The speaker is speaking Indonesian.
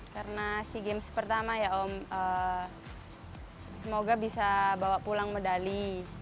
karena sea games pertama ya om semoga bisa bawa pulang medali